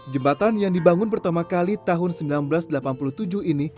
jembatan yang dibangun pertama kali tahun seribu sembilan ratus delapan puluh tujuh ini